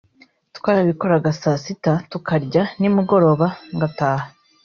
twarabikoraga saa sita tukarya ni mugoroba ngataha